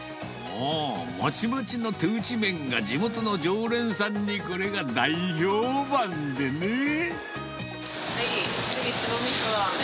もう、もちもちの手打ち麺が、地元の常連さんに、これが大評判でね。